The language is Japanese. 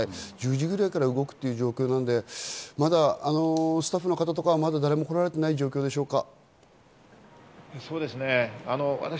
１０時ぐらいから動く状況なのでスタッフの方とか誰も来られていない状況でしょうか？